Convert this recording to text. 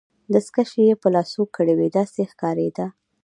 دستکشې يې په لاسو کړي وې، داسې یې ښکاریده.